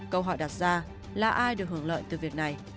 câu hỏi đặt ra là ai được hưởng lợi từ việc này